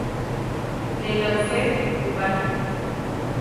Le Lauzet-Ubaye